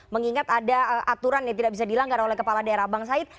mengingat ada aturan yang tidak bisa dilanggar oleh kepala daerah bang said